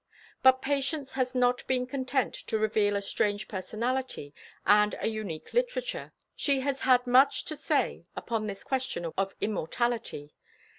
But Patience has not been content to reveal a strange personality and a unique literature; she has had much to say upon this question of immortality.